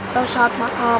ya saat makab